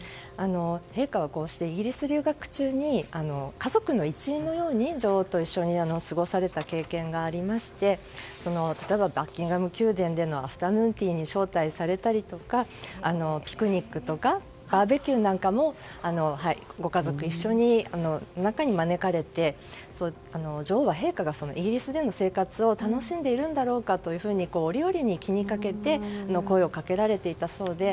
陛下は、イギリス留学中に家族の一員のように女王と一緒に過ごされた経験がありまして例えばバッキンガム宮殿でのアフタヌーンティーに招待されたりとかピクニックとかバーベーキューなんかもご家族一緒にその中に招かれて女王は陛下がイギリスでの生活を楽しんでいるんだろうかと折々に気にかけて声をかけられていたそうです。